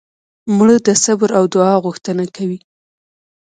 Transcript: مړه د صبر او دعا غوښتنه کوي